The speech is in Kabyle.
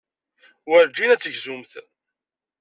Werǧin ad tegzumt.